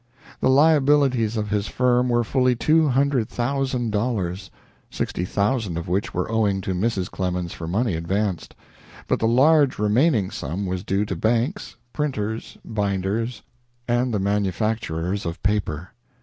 The liabilities of his firm were fully two hundred thousand dollars sixty thousand of which were owing to Mrs. Clemens for money advanced but the large remaining sum was due to banks, printers, binders, and the manufacturers of paper.